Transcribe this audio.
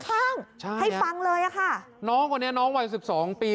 ใช่นะให้ฟังเลยค่ะน้องคนนี้น้องวัย๑๒ปี